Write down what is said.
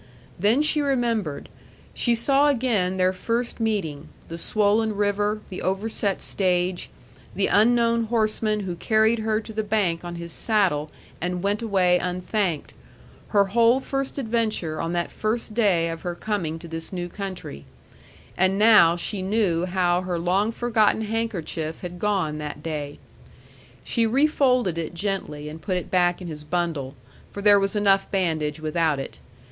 Then she remembered: she saw again their first meeting, the swollen river, the overset stage, the unknown horseman who carried her to the bank on his saddle and went away unthanked her whole first adventure on that first day of her coming to this new country and now she knew how her long forgotten handkerchief had gone that day. She refolded it gently and put it back in his bundle, for there was enough bandage without it.